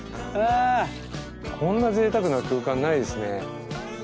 こんなぜいたくな空間ないですね。